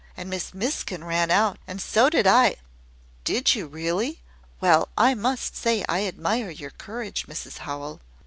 And Miss Miskin ran out, and so did I " "Did you really? Well, I must say I admire your courage, Mrs Howell."